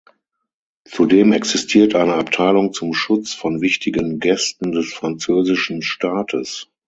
Zudem existiert eine Abteilung zum Schutz von wichtigen Gästen des französischen Staates.